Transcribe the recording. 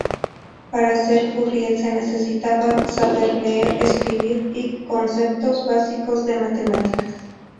Para ser furriel se necesitaba saber leer, escribir y conceptos básicos de matemáticas.